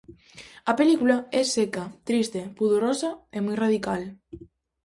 A película é seca, triste, pudorosa e moi radical.